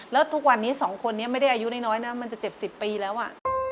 แล้วทุกวันนี้๒คนนี้ไม่ได้อายุน้อยนะมันจะ๗๐ปีแล้วอ่ะ